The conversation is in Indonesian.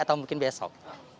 atau mungkin besok